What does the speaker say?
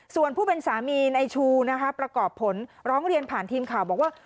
ส่วนผู้เป็นสามีในชูนะคะประกอบผลร้องเรียนผ่านทีมข่าวบอกว่า